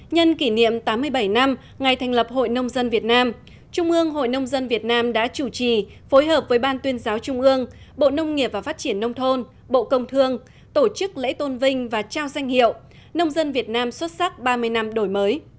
nhân kỷ niệm tám mươi bảy năm ngày thành lập hội nông dân việt nam trung ương hội nông dân việt nam đã chủ trì phối hợp với ban tuyên giáo trung ương bộ nông nghiệp và phát triển nông thôn bộ công thương tổ chức lễ tôn vinh và trao danh hiệu nông dân việt nam xuất sắc ba mươi năm đổi mới